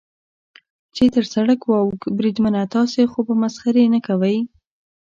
چې تر سړک واوښت، بریدمنه، تاسې خو به مسخرې نه کوئ.